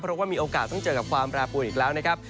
เพราะว่ามีโอกาสต้องเจอกับความแปรปวนอีกแล้วนะครับ